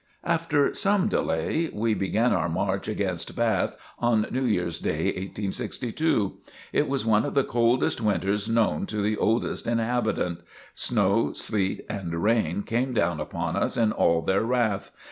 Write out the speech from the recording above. After some delay we began our march against Bath on New Year's day 1862. It was one of the coldest winters known to the oldest inhabitant. Snow, sleet and rain came down upon us in all their wrath.